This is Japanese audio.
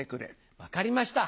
分かりました。